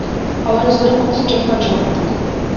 Алар өздөрү коркутуп жаткан жок.